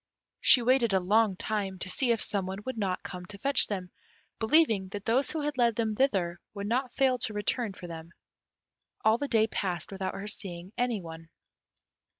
She waited a long time, to see if some one would not come to fetch them, believing that those who had led them thither would not fail to return for them. All the day passed without her seeing any one.